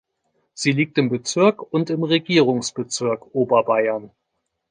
Sie liegt im Bezirk und im Regierungsbezirk Oberbayern.